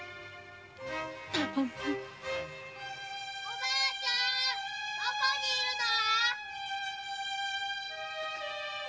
・おばぁちゃんどこにいるの。